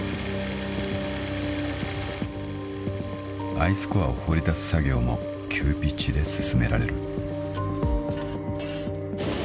［アイスコアを掘り出す作業も急ピッチで進められる］